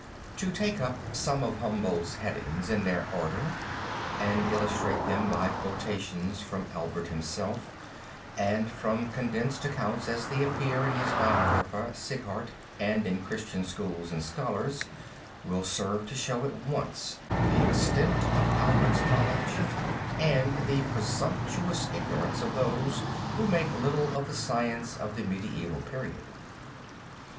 To take up some of Humboldt's headings in their order and illustrate them by quotations from Albert himself and from condensed accounts as they appear in his biographer Sighart and in Christian Schools and Scholars [Footnote 6], will serve to show at once the extent of Albert's knowledge and the presumptuous ignorance of those who make little of the science of the medieval period.